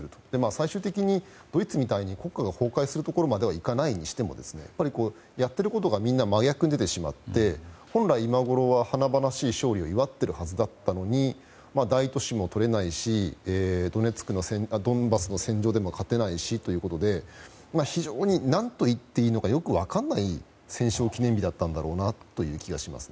最終的にドイツみたいに国家が崩壊するところまではいかないにしてもやっていることが全部真逆に出てしまって本来は華々しい勝利を祝っているはずだったのに大都市もとれないしドンバスの戦場でも勝てないしということで非常に何と言っていいのかよく分からない戦勝記念日だったんだろうなという気がします。